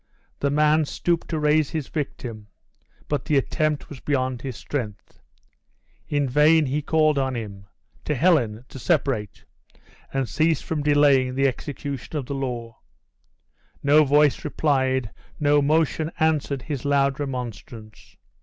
The man stooped to raise his victim, but the attempt was beyond his strength. In vain he called on him to Helen to separate, and cease from delaying the execution of the law; no voice replied, no motion answered his loud remonstrance.